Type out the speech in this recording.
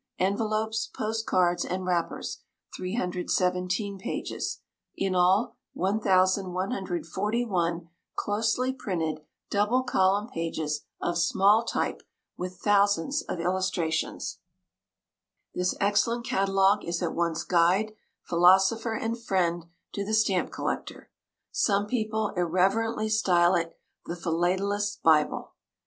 Envelopes, Post Cards, and Wrappers, 317 pages; in all, 1,141 closely printed double column pages of small type, with thousands of illustrations. This excellent catalogue is at once guide, philosopher, and friend to the stamp collector. Some people irreverently style it "the Philatelist's Bible."